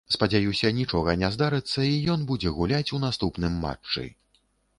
Спадзяюся нічога не здарыцца і ён будзе гуляць у наступным матчы.